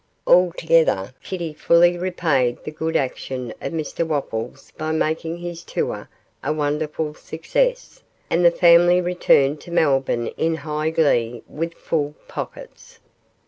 Altogether, Kitty fully repaid the good action of Mr Wopples by making his tour a wonderful success, and the family returned to Melbourne in high glee with full pockets.